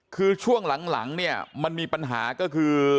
คือช่วงหลังเนี่ยมันมีปัญหาก็คือ